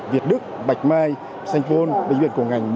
việt đức bạch mai xanh tôn bệnh viện cổng ngành một trăm chín mươi tám